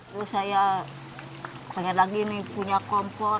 lalu saya banyak lagi nih punya kompor